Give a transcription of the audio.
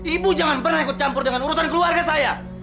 ibu jangan pernah ikut campur dengan urusan keluarga saya